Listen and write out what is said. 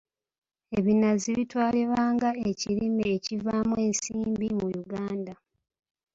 Ebinazi bitwalibwa nga ekirime ekivaamu ensimbi mu Uganda.